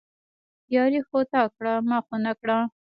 ياري خو تا کړه، ما خو نه کړه